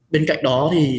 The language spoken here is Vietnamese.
bên cạnh đó